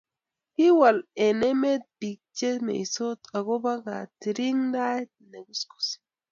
kiwolu eng' emet biik che meisot akobo katiring'taet ne kuskus.